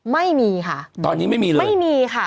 ไม่มีค่ะ